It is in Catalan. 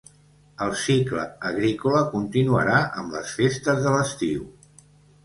El cicle agrícola continuarà amb les festes de l’estiu.